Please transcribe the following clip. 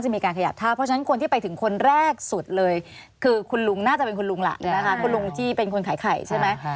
มีการขยับท่าเพราะฉะนั้นคนที่ไปถึงคนแรกสุดเลยคือคุณลุงน่าจะเป็นคุณลุงล่ะนะคะคุณลุงที่เป็นคนขายไข่ใช่ไหม